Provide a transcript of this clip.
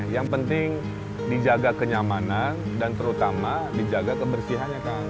yang penting dijaga kenyamanan dan terutama dijaga kebersihannya kan